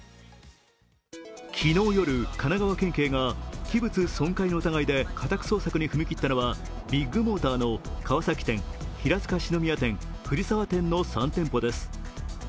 昨日夜、神奈川県警が器物損壊の疑いで家宅捜索に踏み切ったのはビッグモーターの川崎店平塚四之宮店、藤沢店の３店舗です。